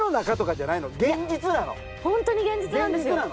ホントに現実なんですよ。